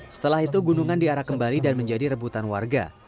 setelah itu gunungan diarah kembali dan menjadi rebutan warga